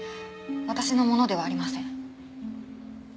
私のものではありません。